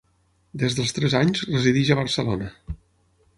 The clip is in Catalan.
Des dels tres anys resideix a Barcelona.